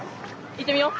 行ってみよう。